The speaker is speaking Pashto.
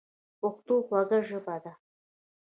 پښتو خوږه ژبه ده